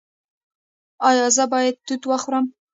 ایا زه باید توت وخورم؟